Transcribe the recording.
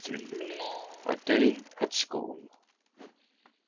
A DAY AT SCHOOL.